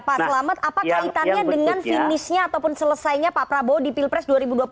pak selamat apa kaitannya dengan finishnya ataupun selesainya pak prabowo di pilpres dua ribu dua puluh empat